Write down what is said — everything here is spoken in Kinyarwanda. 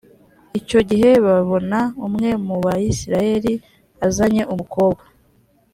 icyo gihe babona umwe mu bayisraheli azanye umukobwa.